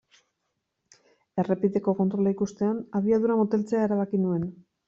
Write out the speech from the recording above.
Errepideko kontrola ikustean abiadura moteltzea erabaki nuen.